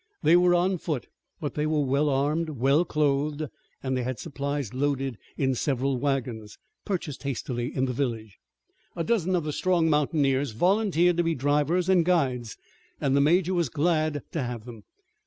They were on foot, but they were well armed, well clothed, and they had supplies loaded in several wagons, purchased hastily in the village. A dozen of the strong mountaineers volunteered to be drivers and guides, and the major was glad to have them.